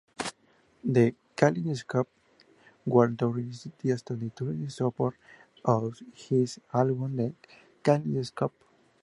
The Kaleidoscope World Tour is a Tiësto tour in support of his album "Kaleidoscope".